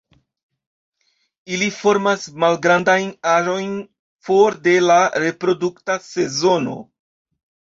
Ili formas malgrandajn arojn for de la reprodukta sezono.